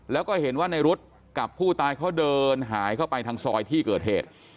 แล้วก็เห็นว่าในรถกับผู้ตายเขาเดินหายเข้าไปทางซอยที่เกิดเหตุ